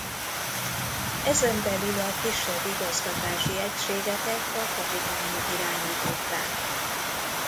Ezen belül a kisebb igazgatási egységeket a kapitányok irányították.